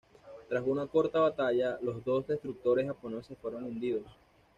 Tras una corta batalla, los dos destructores japoneses fueron hundidos.